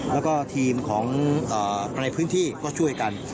แล้วก็ทีมของในพื้นที่ก็ช่วยกัน